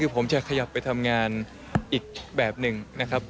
ผมจะขยับไปทำงานอีกแบบหนึ่งนะครับ